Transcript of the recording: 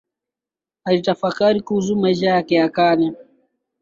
Alitafakari kuhusu maisha yake ya kale